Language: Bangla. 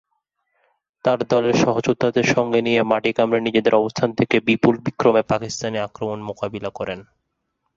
তার দলের সহযোদ্ধাদের সঙ্গে নিয়ে মাটি কামড়ে নিজেদের অবস্থানে থেকে বিপুল বিক্রমে পাকিস্তানি আক্রমণ মোকাবিলা করেন।